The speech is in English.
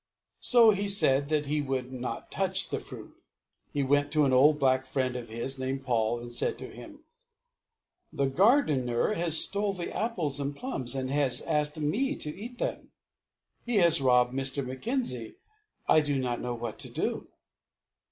So he said that he would not touch the fruit. He went to an old black friend of his named Paul and said to him: "The gardener has stolen the apples and plums and has asked me to eat them. He has robbed Mr. Mackenzie. I do not know what to do."